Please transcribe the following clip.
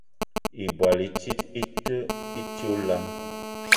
Ibwal i tit i ti olam.